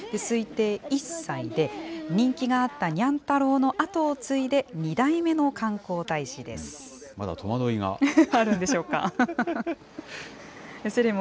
推定１歳で、人気があった、にゃん太郎の後を継いで、２代目の観光大使です。